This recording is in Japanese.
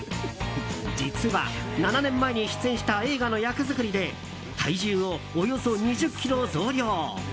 実は７年前に出演した映画の役作りで体重をおよそ２０ｋｇ増量。